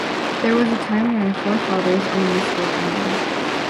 There was a time when our forefathers owned this great island.